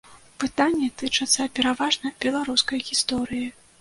Пытанні тычацца пераважна беларускай гісторыі.